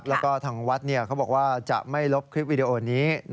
แล้วก็ทางวัดเขาบอกว่าจะไม่ลบคลิปวิดีโอนี้